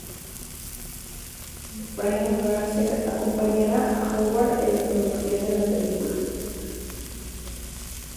Brian Grazer acompañará a Howard en la producción de la película.